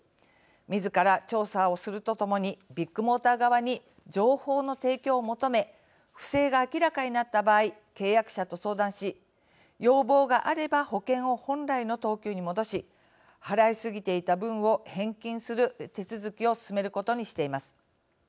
みずから調査をするとともにビッグモーター側に情報の提供を求め不正が明らかになった場合契約者と相談し、要望があれば保険を本来の等級に戻し払いすぎていた分を返金する手続きを進めることにしています。